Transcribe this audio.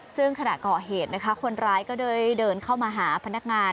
ซึ่งขณะก่อเหตุนะคะคนร้ายก็ได้เดินเข้ามาหาพนักงาน